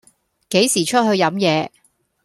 幾時出去飲野